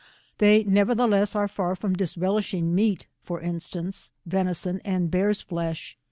They nevertheless are far from disrelishing meat, for instance, venison and bear's flesh.